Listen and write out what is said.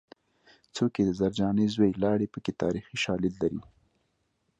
څوک یې د زرجانې زوی لاړې پکې تاریخي شالید لري